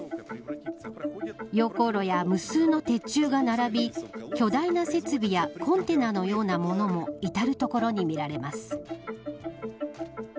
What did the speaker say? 溶鉱炉や、無数の鉄柱が並び巨大な設備やコンテナのようなものも至る所に見られます。